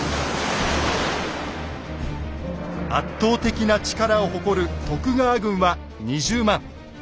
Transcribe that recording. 圧倒的な力を誇る徳川軍は２０万。